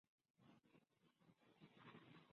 陆钦侃是知名的反对三峡工程上马的代表人物。